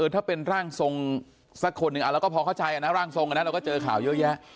ถ้าเป็นร่างทรงสักคนหนึ่งเราก็พอเข้าใจนะร่างทรงเราก็เจอข่าวเยอะแยะ